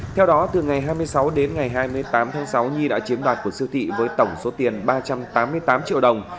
theo đó từ ngày hai mươi sáu đến ngày hai mươi tám tháng sáu nhi đã chiếm đoạt của siêu thị với tổng số tiền ba trăm tám mươi tám triệu đồng